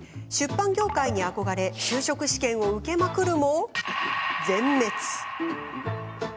出版業界に憧れ就職試験を受けまくるも全滅。